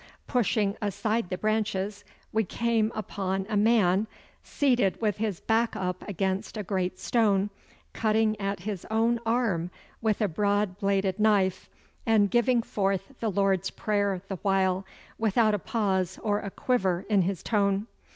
Pushing aside the branches, we came upon a man, seated with his back up against a great stone, cutting at his own arm with a broad bladed knife, and giving forth the Lord's prayer the while, without a pause or a quiver in his tone.